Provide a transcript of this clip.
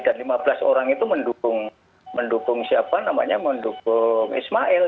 dan lima belas orang itu mendukung ismail